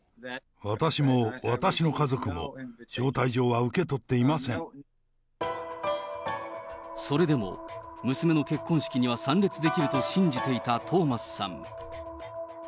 私も、私の家族も、それでも、娘の結婚式には参列できると信じていたトーマスさん。